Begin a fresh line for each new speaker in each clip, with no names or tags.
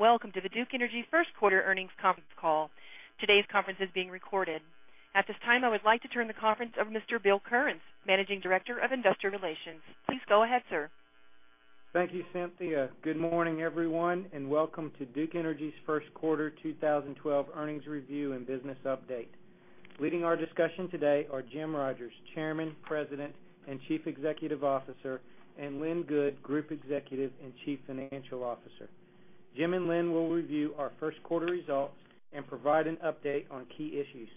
Welcome to the Duke Energy first quarter earnings conference call. Today's conference is being recorded. At this time, I would like to turn the conference over to Mr. Bill Kearns, Managing Director of Investor Relations. Please go ahead, sir.
Thank you, Cynthia. Welcome to Duke Energy's first quarter 2012 earnings review and business update. Leading our discussion today are Jim Rogers, Chairman, President, and Chief Executive Officer, and Lynn Good, Group Executive and Chief Financial Officer. Jim and Lynn will review our first quarter results and provide an update on key issues.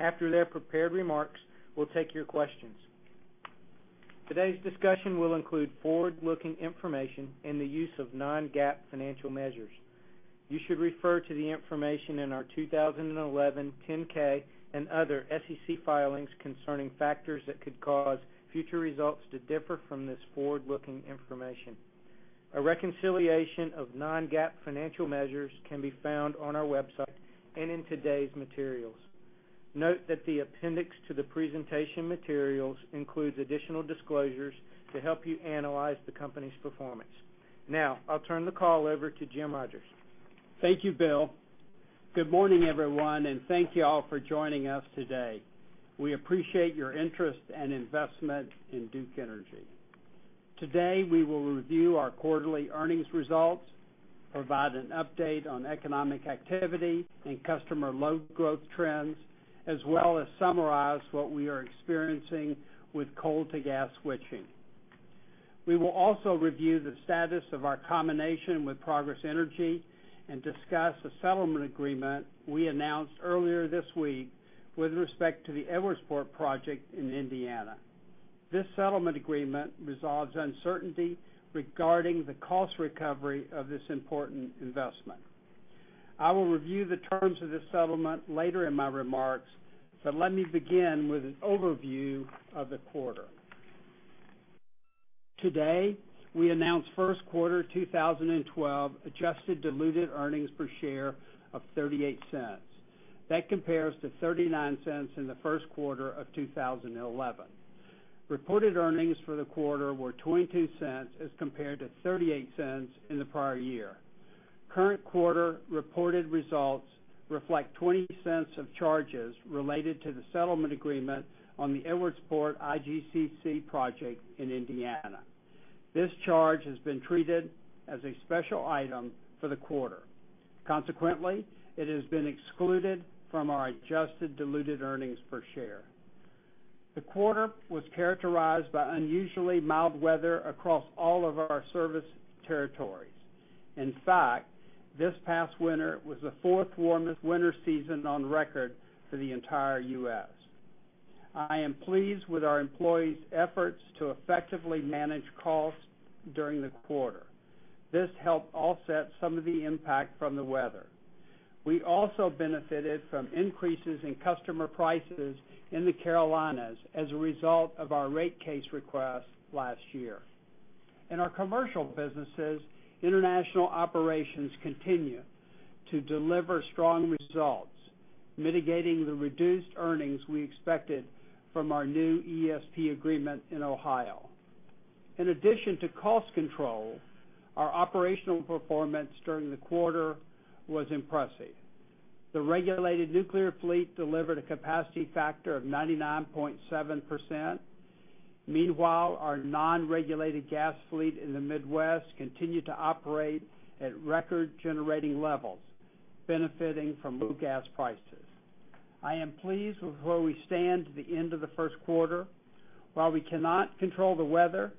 After their prepared remarks, we'll take your questions. Today's discussion will include forward-looking information and the use of non-GAAP financial measures. You should refer to the information in our 2011 10-K and other SEC filings concerning factors that could cause future results to differ from this forward-looking information. A reconciliation of non-GAAP financial measures can be found on our website and in today's materials. Note that the appendix to the presentation materials includes additional disclosures to help you analyze the company's performance. I'll turn the call over to Jim Rogers.
Thank you, Bill. Good morning, everyone, thank you all for joining us today. We appreciate your interest and investment in Duke Energy. Today, we will review our quarterly earnings results, provide an update on economic activity and customer load growth trends, as well as summarize what we are experiencing with coal to gas switching. We will also review the status of our combination with Progress Energy and discuss the settlement agreement we announced earlier this week with respect to the Edwardsport project in Indiana. This settlement agreement resolves uncertainty regarding the cost recovery of this important investment. I will review the terms of this settlement later in my remarks, let me begin with an overview of the quarter. Today, we announced first quarter 2012 adjusted diluted earnings per share of $0.38. That compares to $0.39 in the first quarter of 2011. Reported earnings for the quarter were $0.22 as compared to $0.38 in the prior year. Current quarter reported results reflect $0.20 of charges related to the settlement agreement on the Edwardsport IGCC project in Indiana. This charge has been treated as a special item for the quarter. Consequently, it has been excluded from our adjusted diluted earnings per share. The quarter was characterized by unusually mild weather across all of our service territories. In fact, this past winter was the fourth warmest winter season on record for the entire U.S. I am pleased with our employees' efforts to effectively manage costs during the quarter. This helped offset some of the impact from the weather. We also benefited from increases in customer prices in the Carolinas as a result of our rate case request last year. In our commercial businesses, international operations continue to deliver strong results, mitigating the reduced earnings we expected from our new ESP agreement in Ohio. In addition to cost control, our operational performance during the quarter was impressive. The regulated nuclear fleet delivered a capacity factor of 99.7%. Meanwhile, our non-regulated gas fleet in the Midwest continued to operate at record generating levels, benefiting from low gas prices. I am pleased with where we stand at the end of the first quarter. While we cannot control the weather,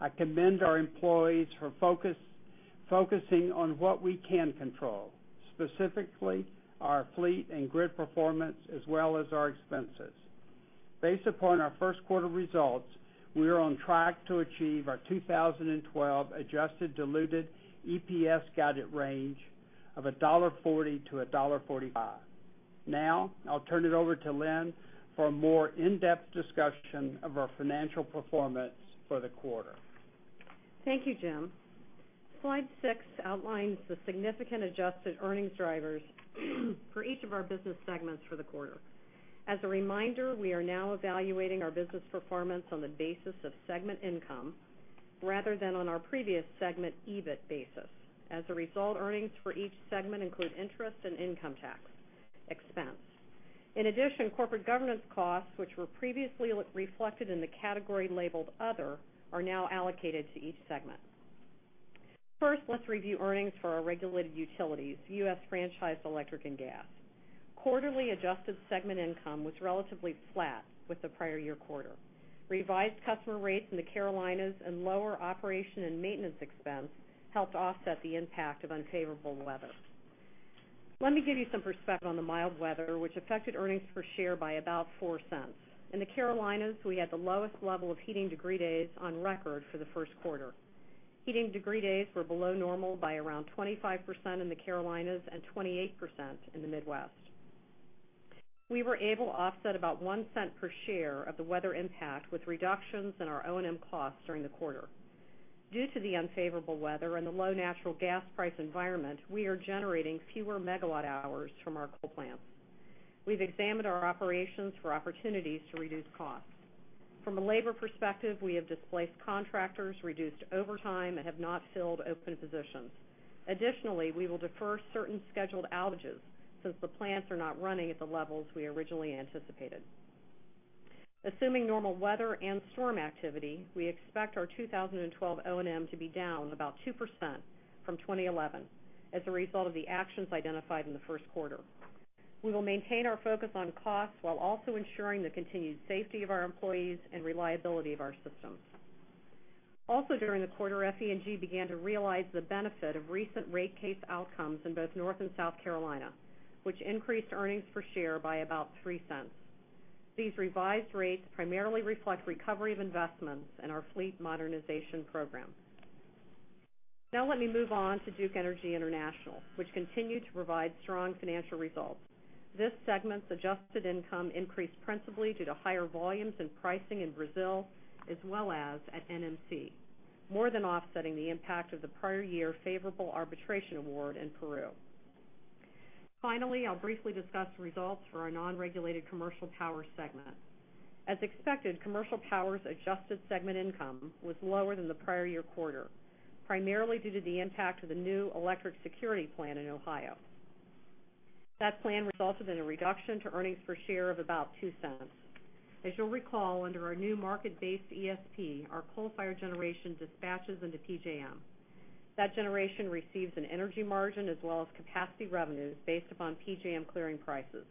I commend our employees for focusing on what we can control, specifically our fleet and grid performance, as well as our expenses. Based upon our first quarter results, we are on track to achieve our 2012 adjusted diluted EPS guided range of $1.40-$1.45. I'll turn it over to Lynn for a more in-depth discussion of our financial performance for the quarter.
Thank you, Jim. Slide six outlines the significant adjusted earnings drivers for each of our business segments for the quarter. As a reminder, we are now evaluating our business performance on the basis of segment income rather than on our previous segment EBIT basis. As a result, earnings for each segment include interest and income tax expense. In addition, corporate governance costs, which were previously reflected in the category labeled other, are now allocated to each segment. First, let's review earnings for our regulated utilities, U.S. Franchised Electric and Gas. Quarterly adjusted segment income was relatively flat with the prior year quarter. Revised customer rates in the Carolinas and lower operation and maintenance expense helped offset the impact of unfavorable weather. Let me give you some perspective on the mild weather, which affected earnings per share by about $0.04. In the Carolinas, we had the lowest level of heating degree days on record for the first quarter. Heating degree days were below normal by around 25% in the Carolinas and 28% in the Midwest. We were able to offset about $0.01 per share of the weather impact with reductions in our O&M costs during the quarter. Due to the unfavorable weather and the low natural gas price environment, we are generating fewer megawatt hours from our coal plants. We've examined our operations for opportunities to reduce costs. From a labor perspective, we have displaced contractors, reduced overtime, and have not filled open positions. Additionally, we will defer certain scheduled outages since the plants are not running at the levels we originally anticipated. Assuming normal weather and storm activity, we expect our 2012 O&M to be down about 2% from 2011 as a result of the actions identified in the first quarter. We will maintain our focus on costs while also ensuring the continued safety of our employees and reliability of our systems. Also during the quarter, FE&G began to realize the benefit of recent rate case outcomes in both North and South Carolina, which increased earnings per share by about $0.03. These revised rates primarily reflect recovery of investments in our fleet modernization program. Let me move on to Duke Energy International, which continued to provide strong financial results. This segment's adjusted income increased principally due to higher volumes and pricing in Brazil, as well as at NMC, more than offsetting the impact of the prior year favorable arbitration award in Peru. I'll briefly discuss the results for our non-regulated commercial power segment. As expected, commercial power's adjusted segment income was lower than the prior year quarter, primarily due to the impact of the new Electric Security Plan in Ohio. That plan resulted in a reduction to earnings per share of about $0.02. As you'll recall, under our new market-based ESP, our coal-fired generation dispatches into PJM. That generation receives an energy margin as well as capacity revenues based upon PJM clearing prices.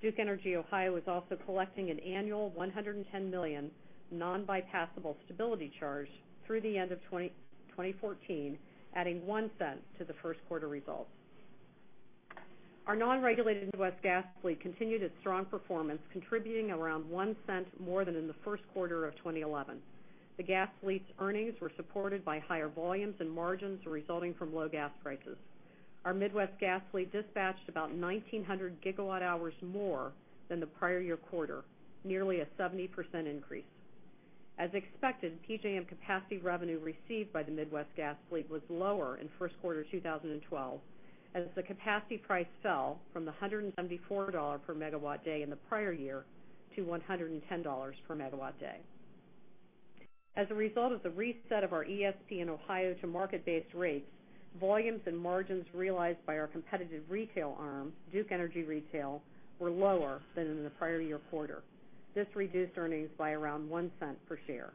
Duke Energy Ohio is also collecting an annual $110 million non-bypassable stability charge through the end of 2014, adding $0.01 to the first quarter results. Our non-regulated Midwest gas fleet continued its strong performance, contributing around $0.01 more than in the first quarter of 2011. The gas fleet's earnings were supported by higher volumes and margins resulting from low gas prices. Our Midwest gas fleet dispatched about 1,900 gigawatt hours more than the prior year quarter, nearly a 70% increase. As expected, PJM capacity revenue received by the Midwest gas fleet was lower in first quarter 2012, as the capacity price fell from the $174 per megawatt day in the prior year to $110 per megawatt day. As a result of the reset of our ESP in Ohio to market-based rates, volumes and margins realized by our competitive retail arm, Duke Energy Retail, were lower than in the prior year quarter. This reduced earnings by around $0.01 per share.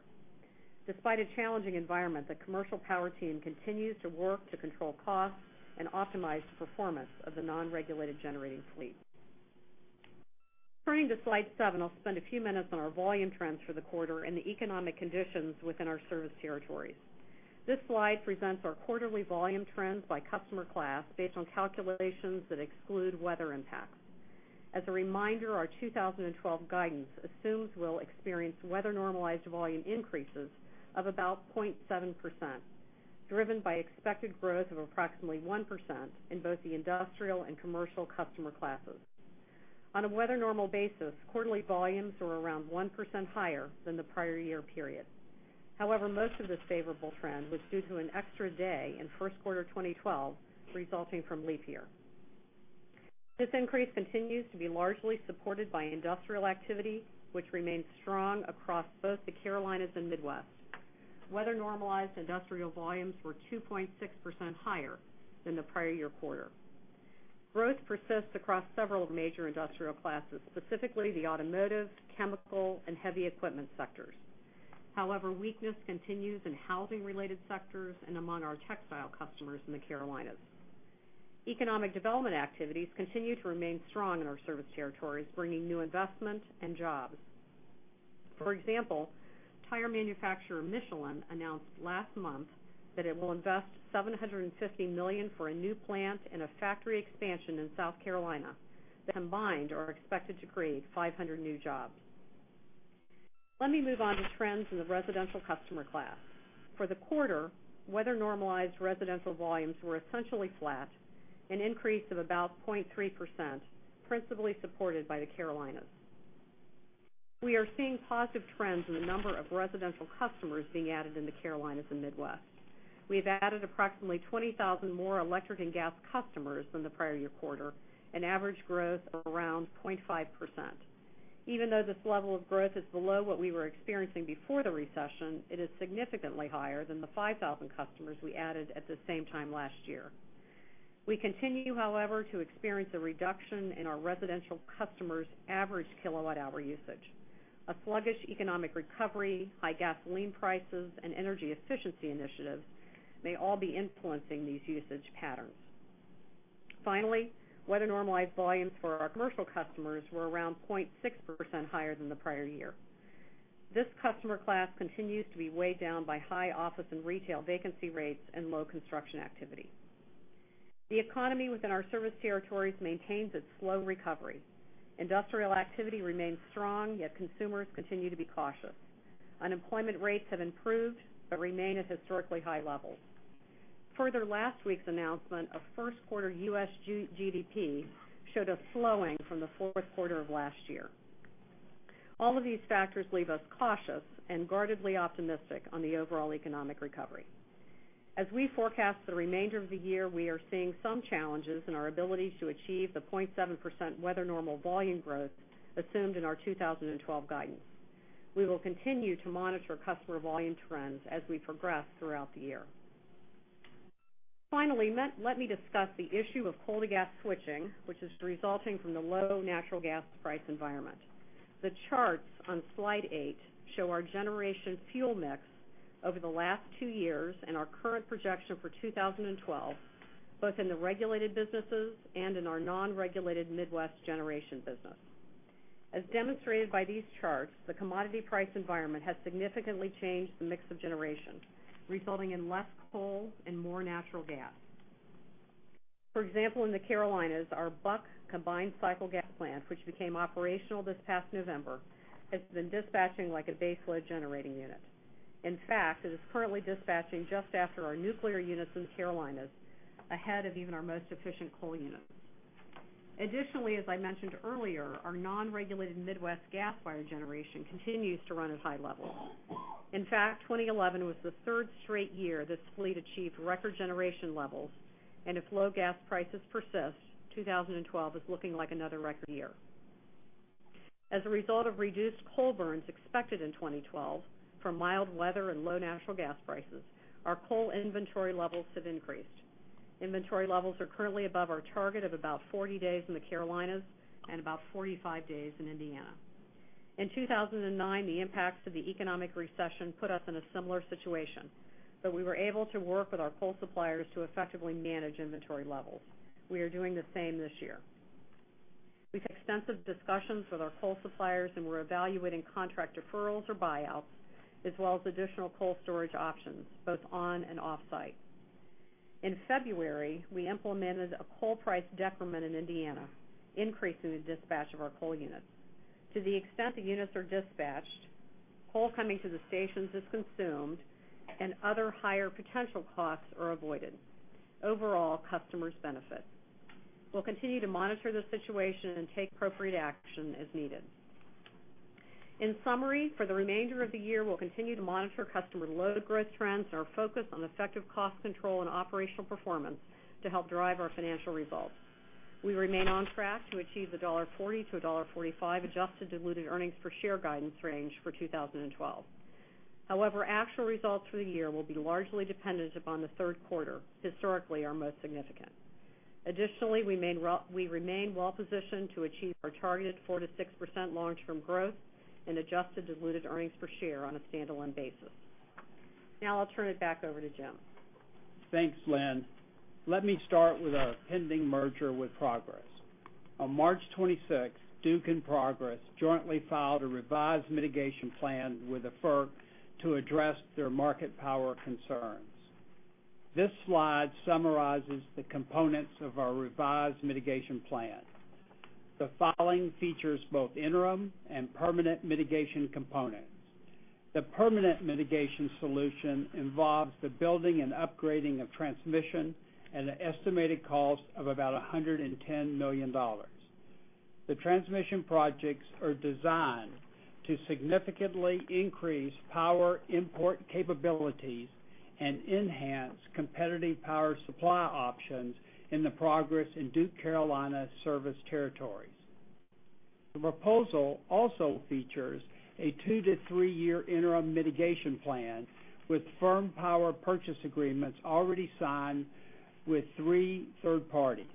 Despite a challenging environment, the commercial power team continues to work to control costs and optimize performance of the non-regulated generating fleet. Turning to slide seven, I'll spend a few minutes on our volume trends for the quarter and the economic conditions within our service territories. This slide presents our quarterly volume trends by customer class based on calculations that exclude weather impacts. As a reminder, our 2012 guidance assumes we'll experience weather-normalized volume increases of about 0.7%, driven by expected growth of approximately 1% in both the industrial and commercial customer classes. On a weather normal basis, quarterly volumes are around 1% higher than the prior year period. Most of this favorable trend was due to an extra day in first quarter 2012 resulting from leap year. This increase continues to be largely supported by industrial activity, which remains strong across both the Carolinas and Midwest. Weather-normalized industrial volumes were 2.6% higher than the prior year quarter. Growth persists across several major industrial classes, specifically the automotive, chemical, and heavy equipment sectors. Weakness continues in housing-related sectors and among our textile customers in the Carolinas. Economic development activities continue to remain strong in our service territories, bringing new investment and jobs. For example, tire manufacturer Michelin announced last month that it will invest $750 million for a new plant and a factory expansion in South Carolina that combined are expected to create 500 new jobs. Let me move on to trends in the residential customer class. For the quarter, weather-normalized residential volumes were essentially flat, an increase of about 0.3%, principally supported by the Carolinas. We are seeing positive trends in the number of residential customers being added in the Carolinas and Midwest. We've added approximately 20,000 more electric and gas customers than the prior year quarter, an average growth of around 0.5%. Even though this level of growth is below what we were experiencing before the recession, it is significantly higher than the 5,000 customers we added at the same time last year. We continue, however, to experience a reduction in our residential customers' average kilowatt-hour usage. A sluggish economic recovery, high gasoline prices, and energy efficiency initiatives may all be influencing these usage patterns. Finally, weather-normalized volumes for our commercial customers were around 0.6% higher than the prior year. This customer class continues to be weighed down by high office and retail vacancy rates and low construction activity. The economy within our service territories maintains its slow recovery. Industrial activity remains strong, yet consumers continue to be cautious. Unemployment rates have improved but remain at historically high levels. Further, last week's announcement of first quarter U.S. GDP showed a slowing from the fourth quarter of last year. All of these factors leave us cautious and guardedly optimistic on the overall economic recovery. As we forecast the remainder of the year, we are seeing some challenges in our ability to achieve the 0.7% weather normal volume growth assumed in our 2012 guidance. We will continue to monitor customer volume trends as we progress throughout the year. Finally, let me discuss the issue of coal-to-gas switching, which is resulting from the low natural gas price environment. The charts on slide 8 show our generation fuel mix over the last two years and our current projection for 2012, both in the regulated businesses and in our non-regulated Midwest generation business. As demonstrated by these charts, the commodity price environment has significantly changed the mix of generation, resulting in less coal and more natural gas. For example, in the Carolinas, our Buck combined cycle gas plant, which became operational this past November, has been dispatching like a baseload generating unit. In fact, it is currently dispatching just after our nuclear units in the Carolinas, ahead of even our most efficient coal units. Additionally, as I mentioned earlier, our non-regulated Midwest gas fire generation continues to run at high levels. In fact, 2011 was the third straight year this fleet achieved record generation levels, and if low gas prices persist, 2012 is looking like another record year. As a result of reduced coal burns expected in 2012 from mild weather and low natural gas prices, our coal inventory levels have increased. Inventory levels are currently above our target of about 40 days in the Carolinas and about 45 days in Indiana. In 2009, the impacts of the economic recession put us in a similar situation, but we were able to work with our coal suppliers to effectively manage inventory levels. We are doing the same this year. We've had extensive discussions with our coal suppliers. We're evaluating contract deferrals or buyouts, as well as additional coal storage options, both on and offsite. In February, we implemented a coal price decrement in Indiana, increasing the dispatch of our coal units. To the extent the units are dispatched, coal coming to the stations is consumed and other higher potential costs are avoided. Overall, customers benefit. We'll continue to monitor the situation and take appropriate action as needed. In summary, for the remainder of the year, we'll continue to monitor customer load growth trends and are focused on effective cost control and operational performance to help drive our financial results. We remain on track to achieve the $1.40-$1.45 adjusted diluted earnings per share guidance range for 2012. However, actual results for the year will be largely dependent upon the third quarter, historically our most significant. Additionally, we remain well-positioned to achieve our targeted 4%-6% long-term growth in adjusted diluted earnings per share on a standalone basis. I'll turn it back over to Jim.
Thanks, Lynn. Let me start with our pending merger with Progress. On March 26th, Duke and Progress jointly filed a revised mitigation plan with the FERC to address their market power concerns. This slide summarizes the components of our revised mitigation plan. The following features both interim and permanent mitigation components. The permanent mitigation solution involves the building and upgrading of transmission at an estimated cost of about $110 million. The transmission projects are designed to significantly increase power import capabilities and enhance competitive power supply options in the Progress and Duke Carolina service territories. The proposal also features a two-to-three-year interim mitigation plan with firm power purchase agreements already signed with three third parties.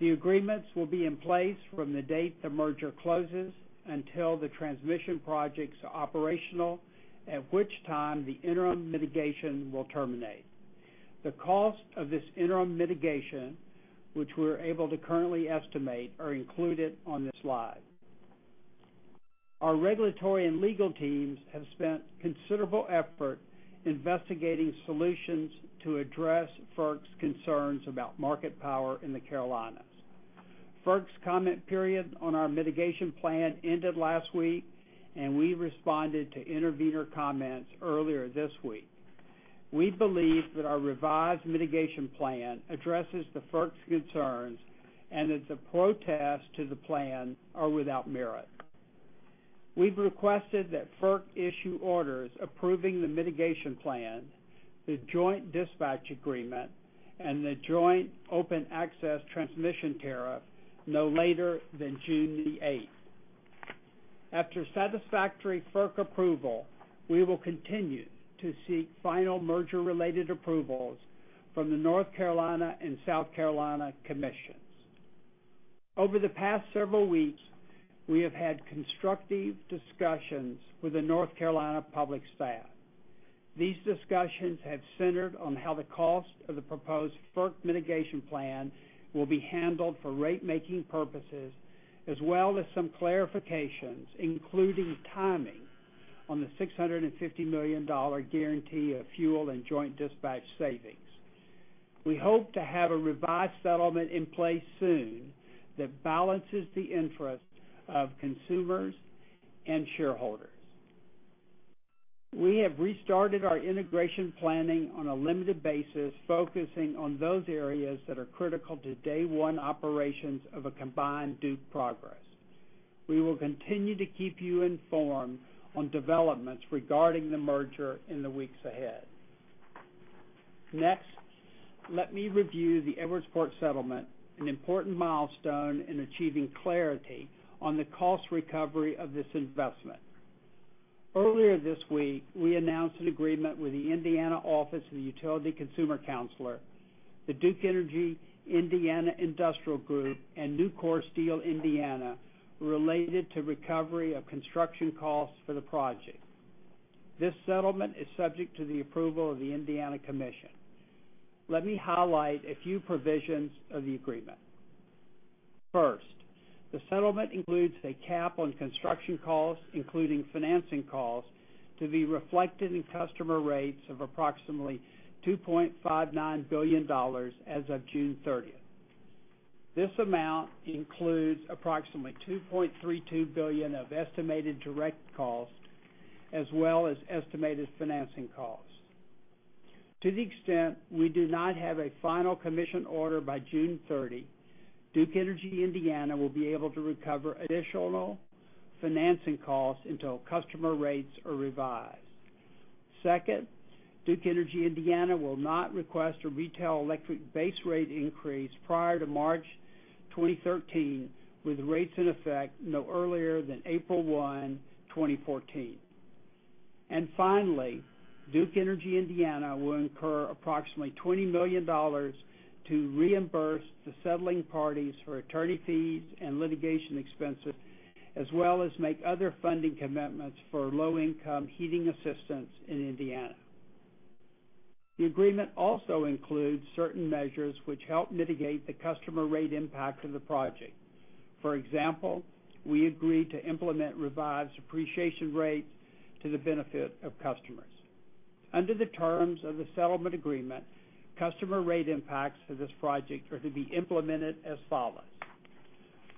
The agreements will be in place from the date the merger closes until the transmission projects are operational, at which time the interim mitigation will terminate. The cost of this interim mitigation, which we're able to currently estimate, are included on this slide. Our regulatory and legal teams have spent considerable effort investigating solutions to address FERC's concerns about market power in the Carolinas. FERC's comment period on our mitigation plan ended last week. We responded to intervener comments earlier this week. We believe that our revised mitigation plan addresses the FERC's concerns and that the protests to the plan are without merit. We've requested that FERC issue orders approving the mitigation plan, the joint dispatch agreement, and the joint open access transmission tariff no later than June 8th. After satisfactory FERC approval, we will continue to seek final merger-related approvals from the North Carolina and South Carolina commissions. Over the past several weeks, we have had constructive discussions with the North Carolina Public Staff. These discussions have centered on how the cost of the proposed FERC mitigation plan will be handled for rate-making purposes, as well as some clarifications, including timing on the $650 million guarantee of fuel and joint dispatch savings. We hope to have a revised settlement in place soon that balances the interest of consumers and shareholders. We have restarted our integration planning on a limited basis, focusing on those areas that are critical to day one operations of a combined Duke Progress. We will continue to keep you informed on developments regarding the merger in the weeks ahead. Next, let me review the Edwardsport settlement, an important milestone in achieving clarity on the cost recovery of this investment. Earlier this week, we announced an agreement with the Indiana Office of Utility Consumer Counselor, the Duke Energy Indiana Industrial Group, and Nucor Steel Indiana, related to recovery of construction costs for the project. This settlement is subject to the approval of the Indiana Commission. Let me highlight a few provisions of the agreement. First, the settlement includes a cap on construction costs, including financing costs, to be reflected in customer rates of approximately $2.59 billion as of June 30th. This amount includes approximately $2.32 billion of estimated direct costs, as well as estimated financing costs. To the extent we do not have a final commission order by June 30, Duke Energy Indiana will be able to recover additional financing costs until customer rates are revised. Second, Duke Energy Indiana will not request a retail electric base rate increase prior to March 2013, with rates in effect no earlier than April 1, 2014. And finally, Duke Energy Indiana will incur approximately $20 million to reimburse the settling parties for attorney fees and litigation expenses, as well as make other funding commitments for low-income heating assistance in Indiana. The agreement also includes certain measures which help mitigate the customer rate impact of the project. For example, we agreed to implement revised depreciation rates to the benefit of customers. Under the terms of the settlement agreement, customer rate impacts for this project are to be implemented as follows.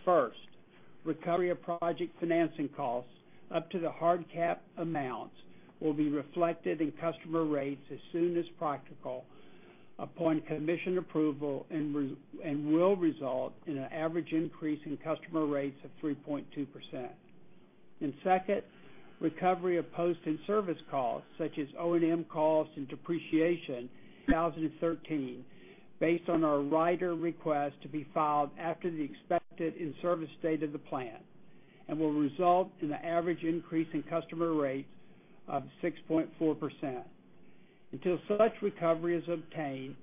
First, recovery of project financing costs up to the hard cap amounts will be reflected in customer rates as soon as practical upon commission approval and will result in an average increase in customer rates of 3.2%. And second, recovery of post and service costs, such as O&M costs and depreciation in 2013, based on our rider request to be filed after the expected in-service date of the plant and will result in an average increase in customer rates of 6.4%. Until such recovery is obtained,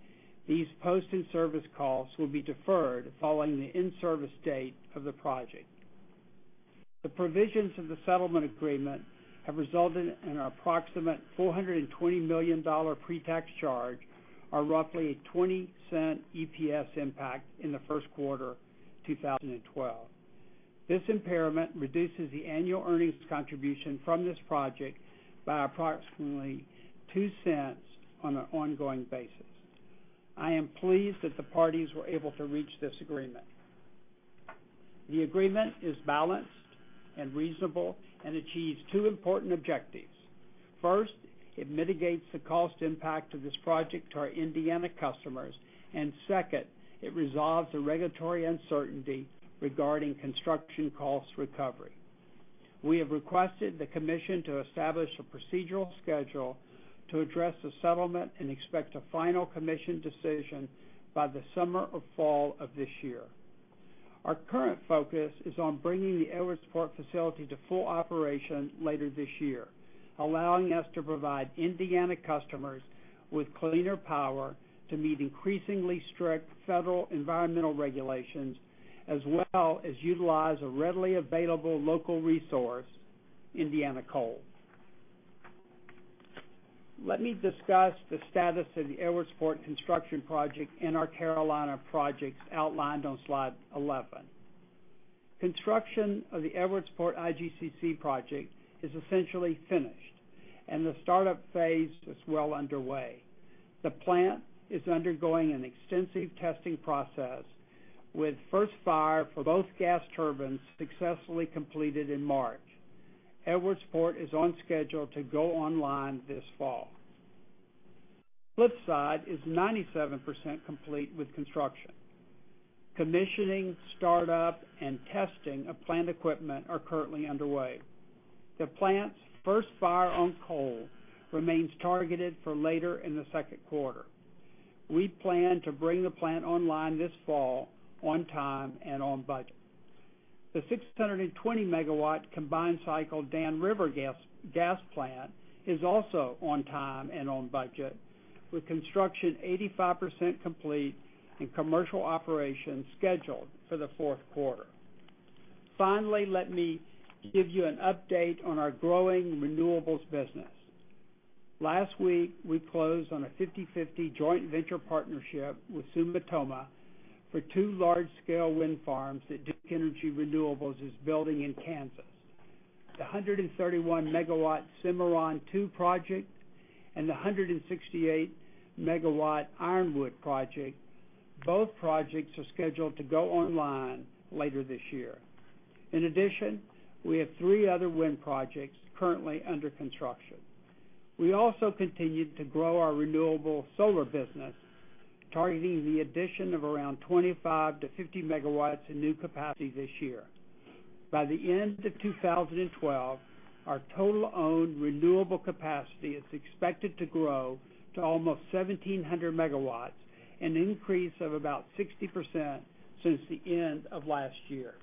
these post and service costs will be deferred following the in-service date of the project. The provisions of the settlement agreement have resulted in an approximate $420 million pre-tax charge or roughly a $0.20 EPS impact in the first quarter 2012. This impairment reduces the annual earnings contribution from this project by approximately $0.02 on an ongoing basis. I am pleased that the parties were able to reach this agreement. The agreement is balanced and reasonable and achieves two important objectives. First, it mitigates the cost impact of this project to our Indiana customers. Second, it resolves the regulatory uncertainty regarding construction cost recovery. We have requested the commission to establish a procedural schedule to address the settlement and expect a final commission decision by the summer or fall of this year. Our current focus is on bringing the Edwardsport facility to full operation later this year, allowing us to provide Indiana customers with cleaner power to meet increasingly strict federal environmental regulations, as well as utilize a readily available local resource, Indiana Coal. Let me discuss the status of the Edwardsport construction project and our Carolina projects outlined on slide 11. Construction of the Edwardsport IGCC project is essentially finished, and the startup phase is well underway. The plant is undergoing an extensive testing process with first fire for both gas turbines successfully completed in March. Edwardsport is on schedule to go online this fall. Cliffside is 97% complete with construction. Commissioning, startup, and testing of plant equipment are currently underway. The plant's first fire on coal remains targeted for later in the second quarter. We plan to bring the plant online this fall on time and on budget. The 620-megawatt combined cycle Dan River gas plant is also on time and on budget, with construction 85% complete and commercial operations scheduled for the fourth quarter. Finally, let me give you an update on our growing renewables business. Last week, we closed on a 50/50 joint venture partnership with Sumitomo for two large-scale wind farms that Duke Energy Renewables is building in Kansas. The 131-megawatt Cimarron II project and the 168-megawatt Ironwood project, both projects are scheduled to go online later this year. In addition, we have three other wind projects currently under construction. We also continued to grow our renewable solar business, targeting the addition of around 25 to 50 megawatts in new capacity this year. By the end of 2012, our total owned renewable capacity is expected to grow to almost 1,700 megawatts, an increase of about 60% since the end of last year.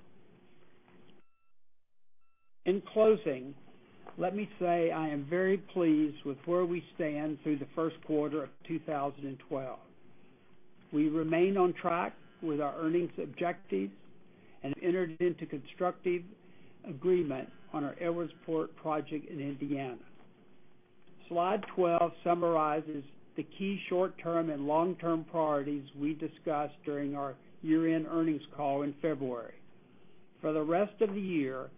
In closing, let me say I am very pleased with where we stand through the first quarter of 2012. We remain on track with our earnings objectives and entered into constructive agreement on our Edwardsport project in Indiana. Slide 12 summarizes the key short-term and long-term priorities we discussed during our year-end earnings call in February. For the rest of the year,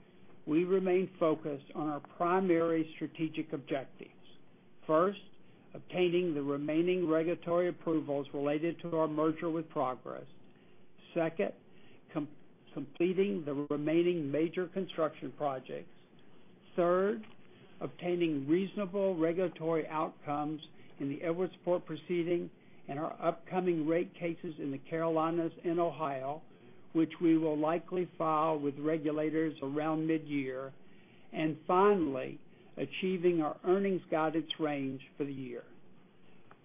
we remain focused on our primary strategic objectives. First, obtaining the remaining regulatory approvals related to our merger with Progress. Second, completing the remaining major construction projects. Third, obtaining reasonable regulatory outcomes in the Edwardsport proceeding and our upcoming rate cases in the Carolinas and Ohio, which we will likely file with regulators around mid-year. Finally, achieving our earnings guidance range for the year.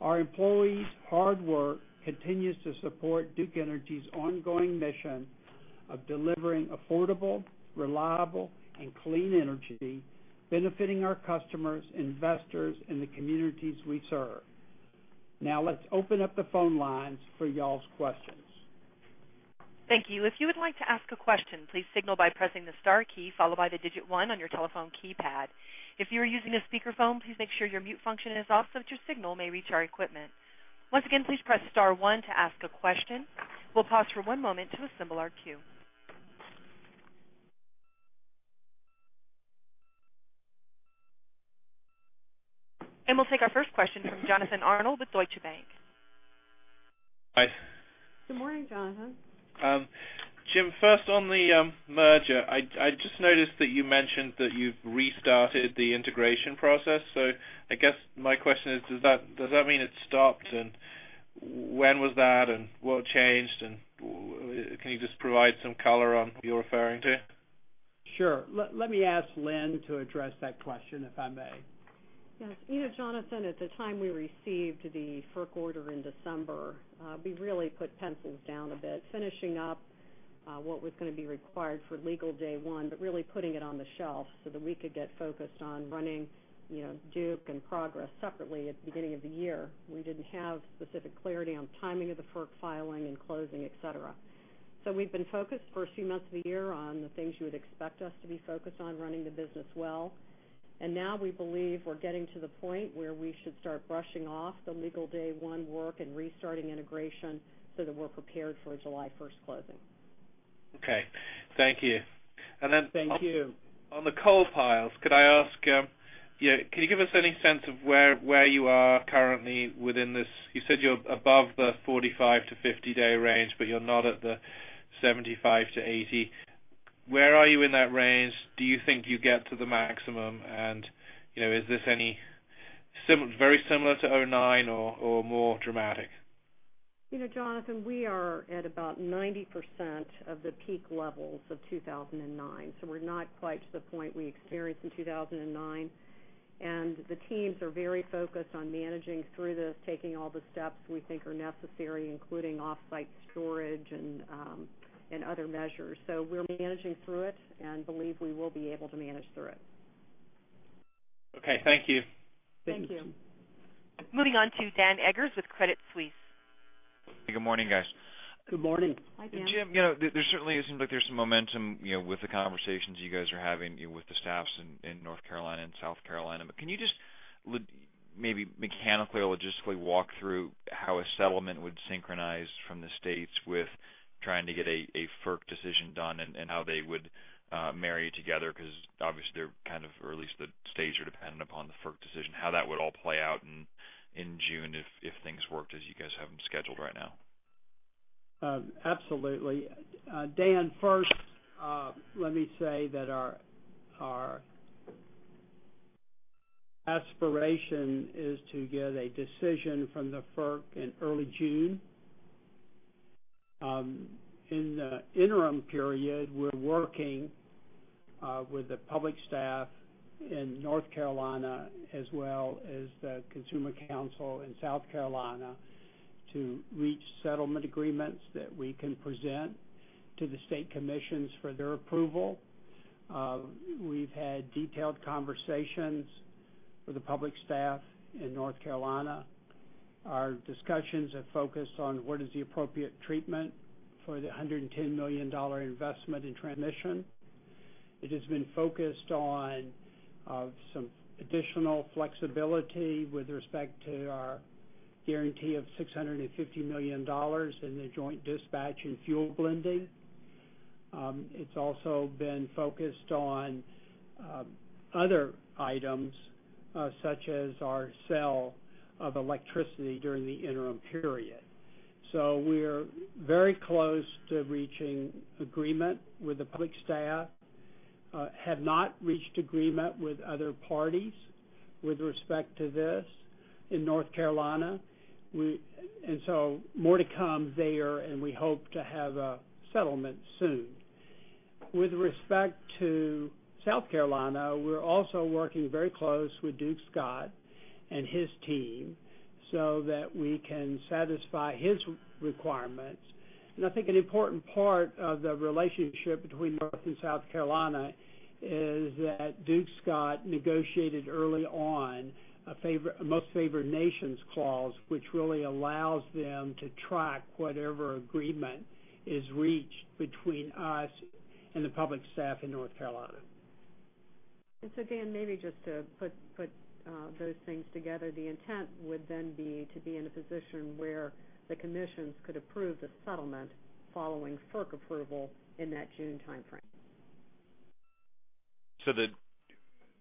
Our employees' hard work continues to support Duke Energy's ongoing mission of delivering affordable, reliable, and clean energy, benefiting our customers, investors, and the communities we serve. Now let's open up the phone lines for y'all's questions.
Thank you. If you would like to ask a question, please signal by pressing the star key, followed by the digit one on your telephone keypad. If you are using a speakerphone, please make sure your mute function is off so that your signal may reach our equipment. Once again, please press star one to ask a question. We'll pause for one moment to assemble our queue. We'll take our first question from Jonathan Arnold with Deutsche Bank.
Hi.
Good morning, Jonathan.
Jim, first on the merger. I just noticed that you mentioned that you've restarted the integration process. I guess my question is, does that mean it stopped? When was that, and what changed? Can you just provide some color on what you're referring to?
Sure. Let me ask Lynn to address that question, if I may.
Yes. Jonathan, at the time we received the FERC order in December, we really put pencils down a bit, finishing up what was going to be required for legal day one, but really putting it on the shelf so that we could get focused on running Duke and Progress separately at the beginning of the year. We didn't have specific clarity on timing of the FERC filing and closing, et cetera. We've been focused for a few months of the year on the things you would expect us to be focused on running the business well. Now we believe we're getting to the point where we should start brushing off the legal day one work and restarting integration so that we're prepared for a July 1st closing.
Okay. Thank you.
Thank you.
On the coal piles, could I ask, can you give us any sense of where you are currently within this? You said you're above the 45-50 day range, but you're not at the 75-80. Where are you in that range? Do you think you get to the maximum? Is this very similar to 2009 or more dramatic?
Jonathan, we are at about 90% of the peak levels of 2009. We're not quite to the point we experienced in 2009. The teams are very focused on managing through this, taking all the steps we think are necessary, including offsite storage and other measures. We're managing through it and believe we will be able to manage through it.
Okay. Thank you.
Thank you.
Moving on to Dan Eggers with Credit Suisse.
Good morning, guys.
Good morning.
Hi, Dan.
Jim, there certainly seems like there's some momentum with the conversations you guys are having with the staffs in North Carolina and South Carolina. Can you just maybe mechanically or logistically walk through how a settlement would synchronize from the states with trying to get a FERC decision done and how they would marry together? Obviously they're kind of, or at least the states are dependent upon the FERC decision, how that would all play out in June if things worked as you guys have them scheduled right now.
Absolutely. Dan, first, let me say that our aspiration is to get a decision from the FERC in early June. In the interim period, we're working with the public staff in North Carolina as well as the Consumer Council in South Carolina to reach settlement agreements that we can present to the state commissions for their approval. We've had detailed conversations with the public staff in North Carolina. Our discussions have focused on what is the appropriate treatment for the $110 million investment in transmission. It has been focused on some additional flexibility with respect to our guarantee of $650 million in the joint dispatch and fuel blending. It's also been focused on other items, such as our sell of electricity during the interim period. We're very close to reaching agreement with the public staff, have not reached agreement with other parties with respect to this in North Carolina. More to come there, and we hope to have a settlement soon. With respect to South Carolina, we're also working very close with Dukes Scott and his team so that we can satisfy his requirements. I think an important part of the relationship between North and South Carolina is that Dukes Scott negotiated early on a Most-Favored-Nation clause, which really allows them to track whatever agreement is reached between us and the public staff in North Carolina.
Dan, maybe just to put those things together, the intent would then be to be in a position where the commissions could approve the settlement following FERC approval in that June timeframe.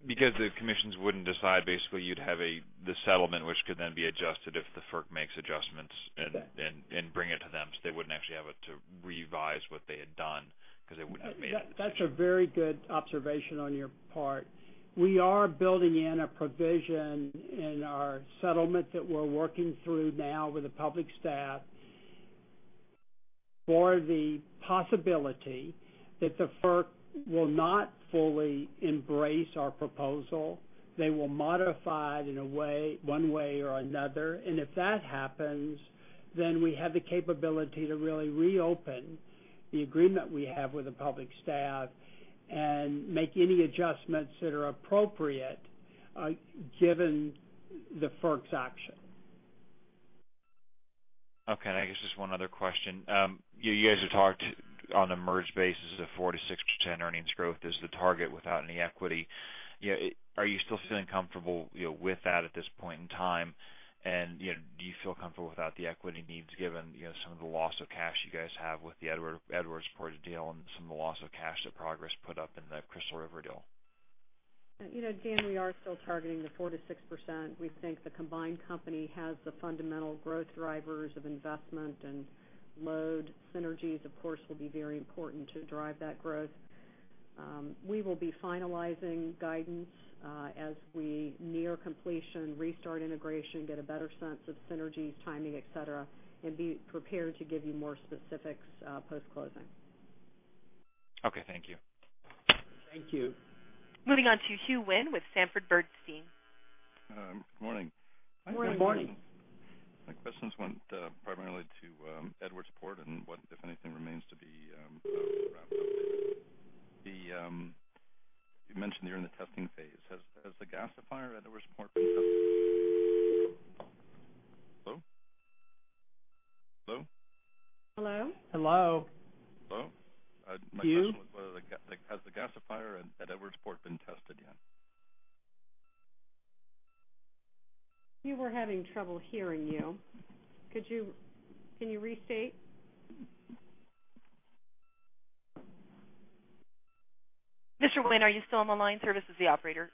Because the commissions wouldn't decide, basically you'd have the settlement, which could then be adjusted if the FERC makes adjustments.
Exactly
Bring it to them, they wouldn't actually have to revise what they had done because they wouldn't have made all the decisions.
That's a very good observation on your part. We are building in a provision in our settlement that we're working through now with the public staff for the possibility that the FERC will not fully embrace our proposal. They will modify it in one way or another. If that happens, we have the capability to really reopen the agreement we have with the public staff and make any adjustments that are appropriate given the FERC's action.
Okay. I guess just one other question. You guys have talked on a merged basis of 4%-6% earnings growth is the target without any equity. Are you still feeling comfortable with that at this point in time? Do you feel comfortable without the equity needs given some of the loss of cash you guys have with the Edwardsport deal and some of the loss of cash that Progress put up in the Crystal River deal?
Dan, we are still targeting the 4%-6%. We think the combined company has the fundamental growth drivers of investment and load synergies, of course, will be very important to drive that growth. We will be finalizing guidance as we near completion, restart integration, get a better sense of synergies, timing, et cetera, be prepared to give you more specifics post-closing.
Okay. Thank you.
Thank you.
Moving on to Hugh Wynne with Sanford C. Bernstein.
Good morning.
Good morning.
Morning.
My questions went primarily to Edwardsport and what, if anything, remains to be wrapped up there. You mentioned you're in the testing phase. Has the gasifier at Edwardsport been tested? Hello? Hello?
Hello?
Hello.
Hello?
Hugh?
My question was, has the gasifier at Edwardsport been tested yet?
We were having trouble hearing you. Can you restate?
Mr. Wynne, are you still on the line? Service is the operator.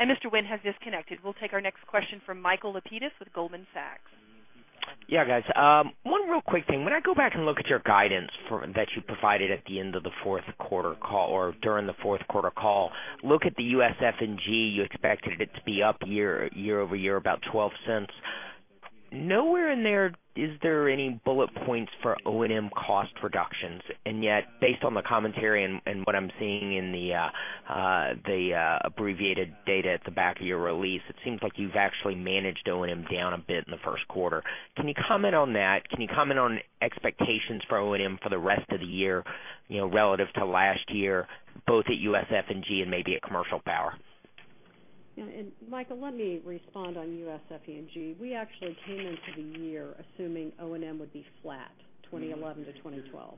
Mr. Wynne has disconnected. We'll take our next question from Michael Lapides with Goldman Sachs.
Yeah, guys. One real quick thing. When I go back and look at your guidance that you provided at the end of the fourth quarter call or during the fourth quarter call, look at the U.S. FE&G, you expected it to be up year-over-year about $0.12. Nowhere in there is there any bullet points for O&M cost reductions. Yet, based on the commentary and what I'm seeing in the abbreviated data at the back of your release, it seems like you've actually managed O&M down a bit in the first quarter. Can you comment on that? Can you comment on expectations for O&M for the rest of the year, relative to last year, both at U.S. FE&G and maybe at Commercial Power?
Michael, let me respond on U.S. FE&G. We actually came into the year assuming O&M would be flat 2011 to 2012.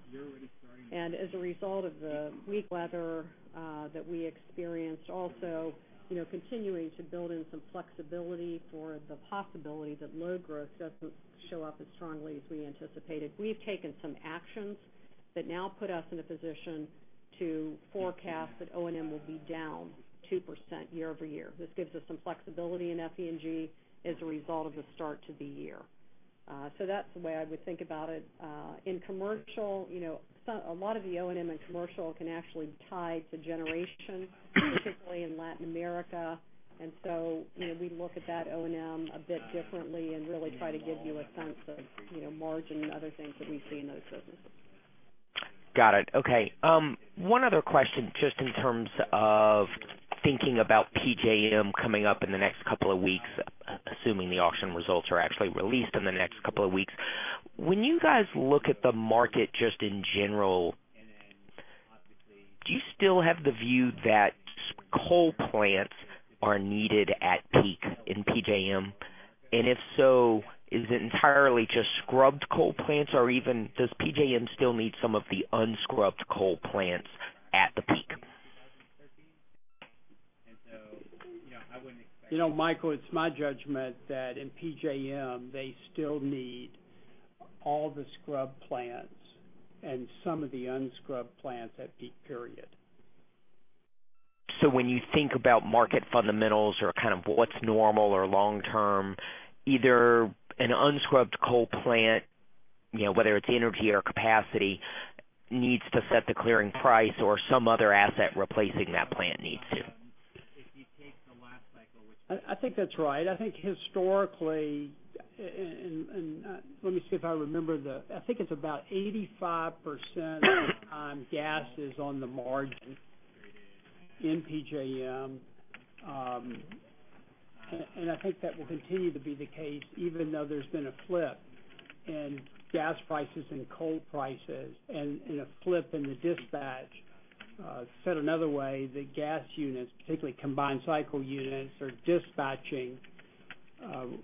As a result of the weak weather that we experienced, also continuing to build in some flexibility for the possibility that load growth doesn't show up as strongly as we anticipated. We've taken some actions that now put us in a position to forecast that O&M will be down 2% year-over-year. This gives us some flexibility in FE&G as a result of the start to the year. That's the way I would think about it. In commercial, a lot of the O&M in commercial can actually tie to generation, particularly in Latin America. We look at that O&M a bit differently and really try to give you a sense of margin and other things that we see in those businesses.
Got it. Okay. One other question, just in terms of thinking about PJM coming up in the next couple of weeks, assuming the auction results are actually released in the next couple of weeks. When you guys look at the market just in general, do you still have the view that coal plants are needed at peak in PJM? If so, is it entirely just scrubbed coal plants, or even does PJM still need some of the unscrubbed coal plants at the peak?
Michael, it's my judgment that in PJM, they still need all the scrubbed plants and some of the unscrubbed plants at peak period
When you think about market fundamentals or kind of what's normal or long-term, either an unscrubbed coal plant, whether it's energy or capacity, needs to set the clearing price or some other asset replacing that plant needs to.
If you take the last cycle, which- I think that's right. I think historically, and let me see if I remember, I think it's about 85% of the time gas is on the margin in PJM. I think that will continue to be the case even though there's been a flip in gas prices and coal prices and a flip in the dispatch. Said another way, the gas units, particularly combined cycle units, are dispatching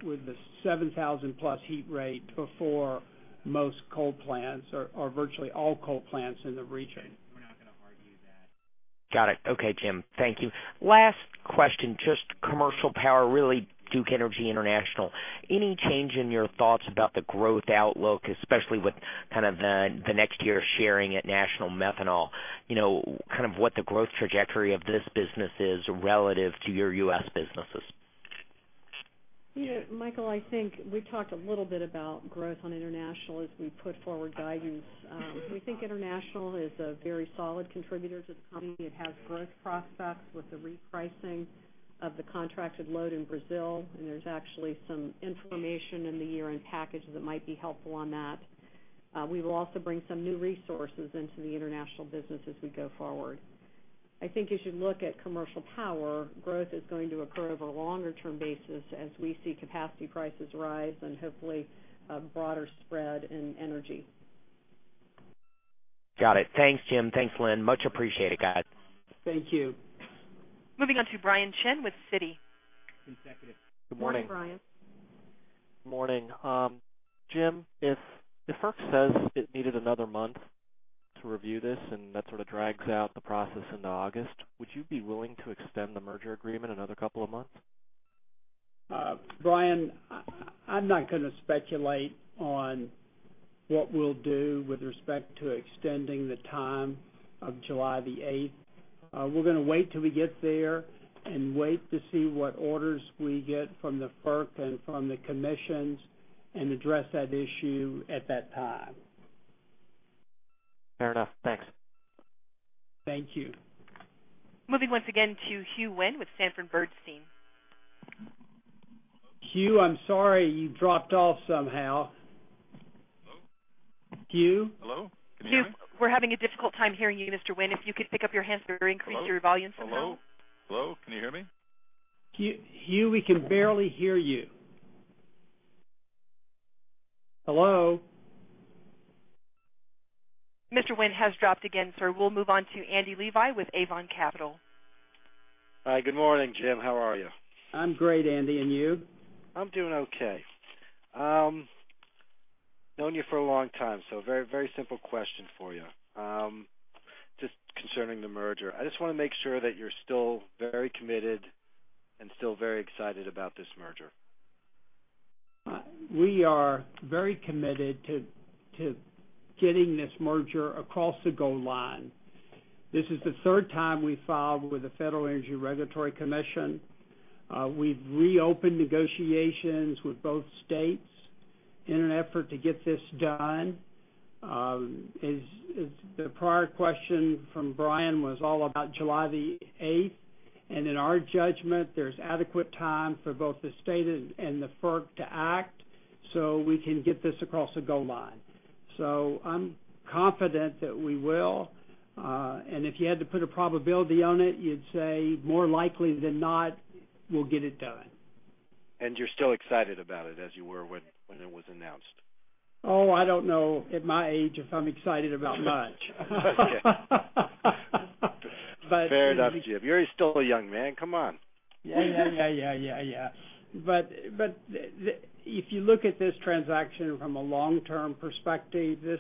with the 7,000+ heat rate before most coal plants or virtually all coal plants in the region.
We're not going to argue that.
Got it. Okay, Jim. Thank you. Last question. Just commercial power, really, Duke Energy International. Any change in your thoughts about the growth outlook, especially with kind of the next year sharing at National Methanol, kind of what the growth trajectory of this business is relative to your U.S. businesses?
Yeah, Michael, I think we talked a little bit about growth on international as we put forward guidance. We think international is a very solid contributor to the company. It has growth prospects with the repricing of the contracted load in Brazil, and there's actually some information in the year-end package that might be helpful on that. We will also bring some new resources into the international business as we go forward. I think as you look at commercial power, growth is going to occur over a longer-term basis as we see capacity prices rise and hopefully a broader spread in energy.
Got it. Thanks, Jim. Thanks, Lynn. Much appreciated, guys.
Thank you.
Moving on to Brian Chin with Citi.
Consecutive.
Good morning.
Good morning, Brian.
Good morning. Jim, if FERC says it needed another month to review this, that sort of drags out the process into August, would you be willing to extend the merger agreement another couple of months?
Brian, I'm not going to speculate on what we'll do with respect to extending the time of July the 8th. We're going to wait till we get there and wait to see what orders we get from the FERC and from the commissions and address that issue at that time.
Fair enough. Thanks.
Thank you.
Moving once again to Hugh Wynne with Sanford C. Bernstein.
Hugh, I'm sorry, you dropped off somehow.
Hello?
Hugh?
Hello? Can you hear me?
Hugh, we're having a difficult time hearing you, Mr. Wynne. If you could pick up your handset or increase your volume somehow.
Hello? Can you hear me?
Hugh, we can barely hear you. Hello?
Mr. Wynne has dropped again, sir. We'll move on to Andy Levi with Avon Capital.
Hi, good morning, Jim. How are you?
I'm great, Andy, and you?
I'm doing okay. Known you for a long time. Very simple question for you. Just concerning the merger. I just want to make sure that you're still very committed and still very excited about this merger.
We are very committed to getting this merger across the goal line. This is the third time we filed with the Federal Energy Regulatory Commission. We've reopened negotiations with both states in an effort to get this done. The prior question from Brian was all about July the 8th. In our judgment, there's adequate time for both the state and the FERC to act so we can get this across the goal line. I'm confident that we will. If you had to put a probability on it, you'd say more likely than not, we'll get it done.
You're still excited about it as you were when it was announced?
Oh, I don't know, at my age, if I'm excited about much.
Okay. Fair enough, Jim. You're still a young man. Come on.
Yeah. If you look at this transaction from a long-term perspective, this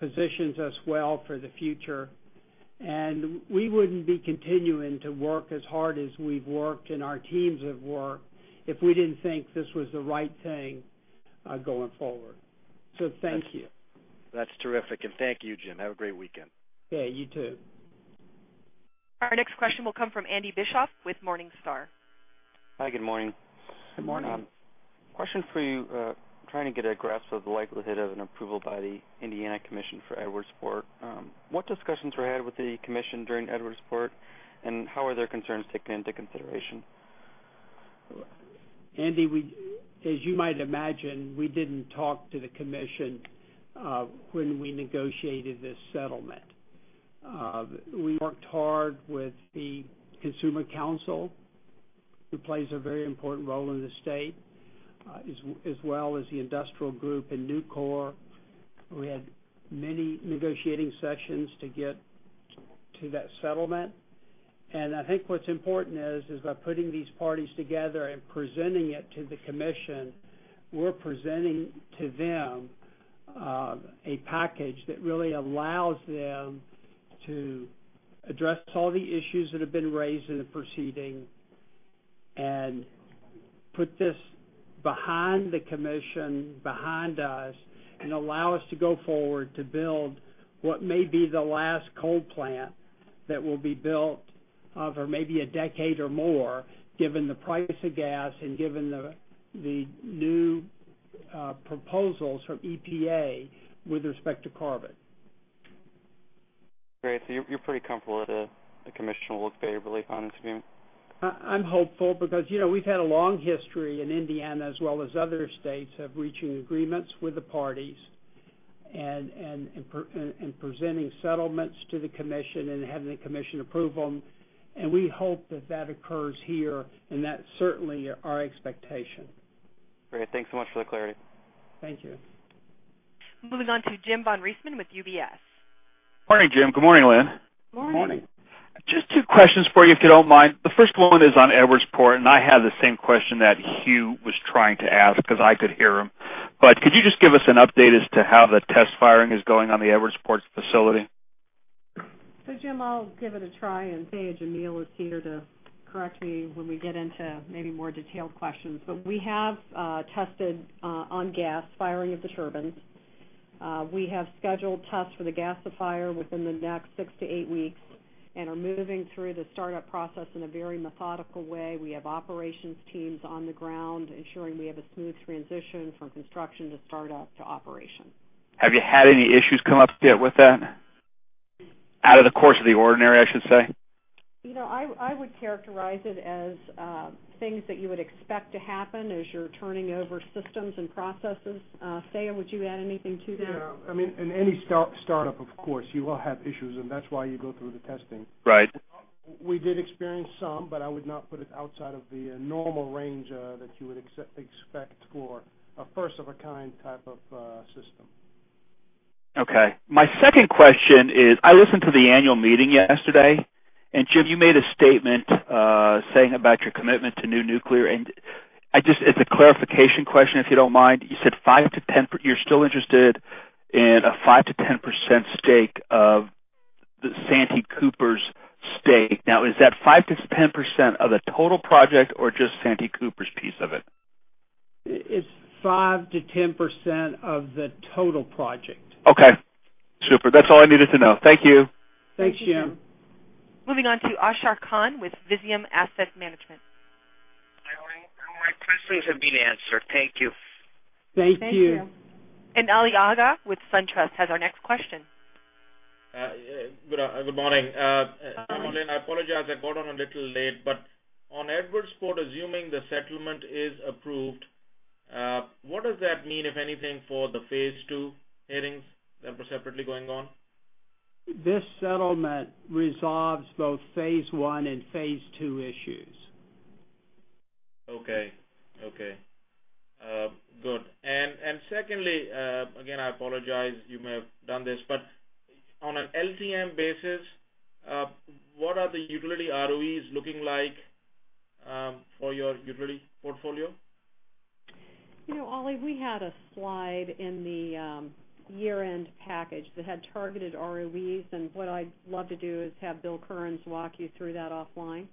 positions us well for the future, and we wouldn't be continuing to work as hard as we've worked, and our teams have worked, if we didn't think this was the right thing going forward. Thank you.
That's terrific. Thank you, Jim. Have a great weekend.
Yeah, you too.
Our next question will come from Andy Bischoff with Morningstar.
Hi, good morning.
Good morning.
Question for you. Trying to get a grasp of the likelihood of an approval by the Indiana Commission for Edwardsport. What discussions were had with the Commission during Edwardsport, and how are their concerns taken into consideration?
Andy, as you might imagine, we didn't talk to the Commission when we negotiated this settlement. We worked hard with the Consumer Council, who plays a very important role in the state, as well as the industrial group in Nucor. We had many negotiating sessions to get to that settlement. I think what's important is by putting these parties together and presenting it to the Commission, we're presenting to them a package that really allows them to address all the issues that have been raised in the proceeding. Put this behind the Commission, behind us, and allow us to go forward to build what may be the last coal plant that will be built for maybe a decade or more, given the price of gas and given the new proposals from EPA with respect to carbon.
Great. You're pretty comfortable that the Commission will look favorably upon this view?
I'm hopeful because we've had a long history in Indiana as well as other states of reaching agreements with the parties and presenting settlements to the Commission and having the Commission approve them. We hope that that occurs here, and that's certainly our expectation.
Great. Thanks so much for the clarity.
Thank you.
Moving on to James von Riesemann with UBS.
Morning, Jim. Good morning, Lynn.
Good morning.
Good morning. Just two questions for you, if you don't mind. The first one is on Edwardsport. I have the same question that Hugh was trying to ask, because I could hear him. Could you just give us an update as to how the test firing is going on the Edwardsport facility?
Jim, I'll give it a try. Dhiaa Jamil is here to correct me when we get into maybe more detailed questions. We have tested on gas firing of the turbines. We have scheduled tests for the gasifier within the next 6 to 8 weeks and are moving through the startup process in a very methodical way. We have operations teams on the ground ensuring we have a smooth transition from construction to startup to operation.
Have you had any issues come up yet with that? Out of the course of the ordinary, I should say.
I would characterize it as things that you would expect to happen as you're turning over systems and processes. Dhiaa, would you add anything to that?
Yeah. In any startup, of course, you will have issues. That's why you go through the testing.
Right.
We did experience some. I would not put it outside of the normal range that you would expect for a first-of-a-kind type of system.
Okay. My second question is, I listened to the annual meeting yesterday. Jim, you made a statement saying about your commitment to new nuclear. As a clarification question, if you don't mind. You said you're still interested in a 5%-10% stake of the Santee Cooper's stake. Is that 5%-10% of the total project or just Santee Cooper's piece of it?
It's 5%-10% of the total project.
Okay. Super. That's all I needed to know. Thank you.
Thanks, Jim.
Moving on to Ashar Khan with Visium Asset Management.
All my questions have been answered. Thank you.
Thank you.
Ali Agha with SunTrust has our next question.
Good morning.
Good morning.
Lynn, I apologize, I got on a little late, on Edwardsport, assuming the settlement is approved, what does that mean, if anything, for the phase two hearings that are separately going on?
This settlement resolves both phase one and phase two issues.
Okay. Good. Secondly, again, I apologize, you may have done this, on an LTM basis, what are the utility ROEs looking like for your utility portfolio?
Ali, we had a slide in the year-end package that had targeted ROEs. What I'd love to do is have Bill Kearns walk you through that offline.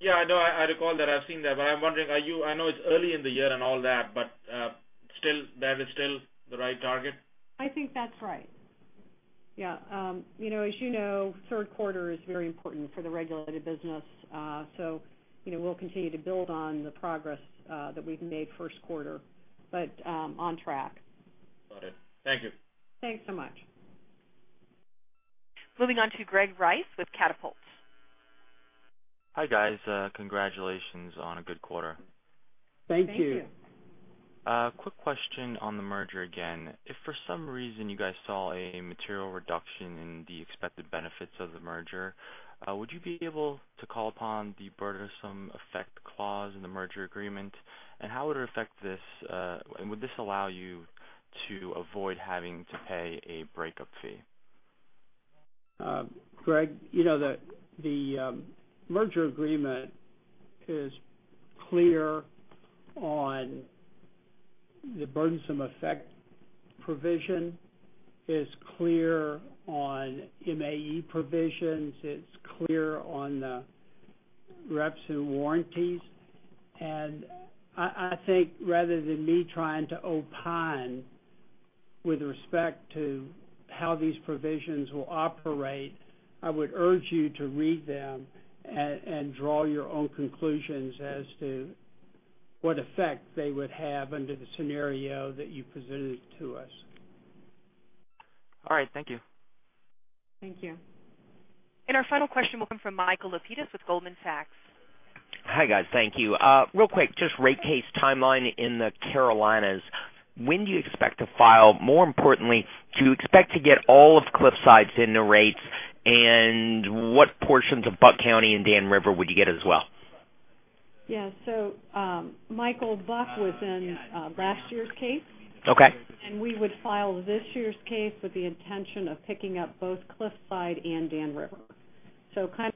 Yeah. No, I recall that. I've seen that. I'm wondering, I know it's early in the year and all that, but that is still the right target?
I think that's right. Yeah. As you know, the third quarter is very important for the regulated business. We'll continue to build on the progress that we've made first quarter, on track.
Got it. Thank you.
Thanks so much.
Moving on to Greg Rice with Catapult.
Hi, guys. Congratulations on a good quarter.
Thank you.
Thank you.
A quick question on the merger again. If for some reason you guys saw a material reduction in the expected benefits of the merger, would you be able to call upon the burdensome effect clause in the merger agreement? How would it affect this? Would this allow you to avoid having to pay a breakup fee?
Greg, the merger agreement is clear on the burdensome effect provision, is clear on MAE provisions, it's clear on the reps and warranties. I think rather than me trying to opine with respect to how these provisions will operate, I would urge you to read them and draw your own conclusions as to what effect they would have under the scenario that you presented to us.
All right. Thank you.
Thank you.
Our final question will come from Michael Lapides with Goldman Sachs.
Hi, guys. Thank you. Real quick, just rate case timeline in the Carolinas. When do you expect to file? More importantly, do you expect to get all of Cliffside's in the rates? What portions of Buck County and Dan River would you get as well?
Yeah. Michael, Buck was in last year's case.
Okay.
We would file this year's case with the intention of picking up both Cliffside and Dan River.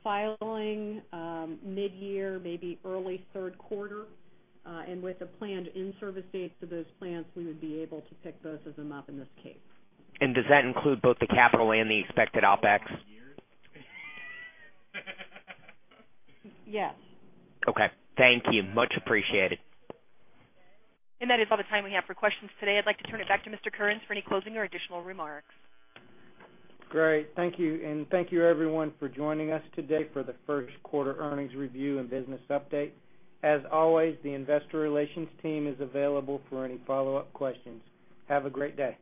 Filing mid-year, maybe early third quarter, with the planned in-service dates for those plants, we would be able to pick those as them up in this case.
Does that include both the capital and the expected OpEx?
Yes.
Okay. Thank you. Much appreciated.
That is all the time we have for questions today. I'd like to turn it back to Mr. Kearns for any closing or additional remarks.
Great. Thank you. Thank you everyone for joining us today for the first quarter earnings review and business update. As always, the investor relations team is available for any follow-up questions. Have a great day.